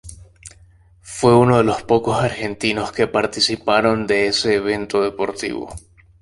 Fue uno de los pocos argentinos que participaron de ese evento deportivo.